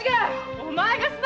お前が？